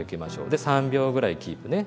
で３秒ぐらいキープね。